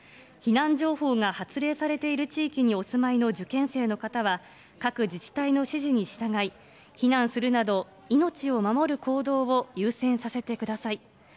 避難情報が発令されている地域にお住まいの受験生の方は、各自治体の指示に従い、避難するなど、命を守る行動を優先させてください。